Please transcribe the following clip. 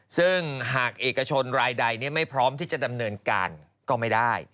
ซึ่งหากเอกชนรายใดไม่พร้อมที่จะดำเนินการก็ไม่ได้